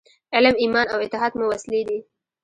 علم، ایمان او اتحاد مو وسلې دي.